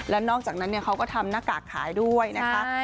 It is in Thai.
และนอกจากนั้นเขาก็ทำหน้ากากขายด้วยนะคะ